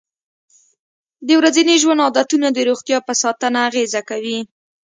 د ورځني ژوند عادتونه د روغتیا په ساتنه اغېزه کوي.